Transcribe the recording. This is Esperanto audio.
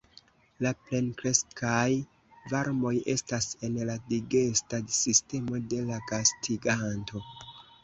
La plenkreskaj vermoj estas en la digesta sistemo de la gastiganto.